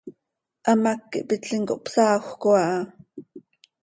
Hamác ihpitlim, cohpsaahjöc aha.